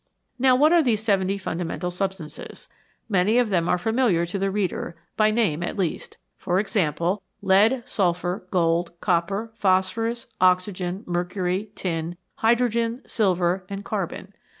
Now what are these seventy fundamental substances ? Many of them are familiar to the reader, by name at least ; for example, lead, sulphur, gold, copper, phos phorus, oxygen, mercury, tin, hydrogen, silver, and carbon.